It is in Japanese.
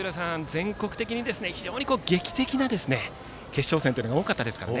全国的に非常に劇的な決勝戦というのが多かったですからね。